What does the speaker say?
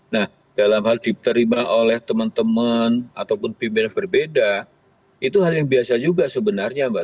nah dalam hal diterima oleh teman teman ataupun pimpinan berbeda itu hal yang biasa juga sebenarnya mbak